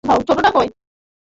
আচ্ছা, প্রস্তুত হও!